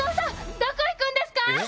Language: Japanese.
どこ行くんですか